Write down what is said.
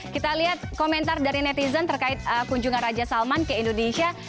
kita lihat komentar dari netizen terkait kunjungan raja salman ke indonesia